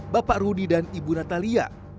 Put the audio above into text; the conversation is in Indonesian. bapak rudi dan ibu natalia